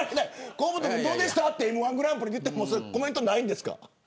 河本君どうでしたってＭ‐１グランプリ出てとかいうコメントないんですか。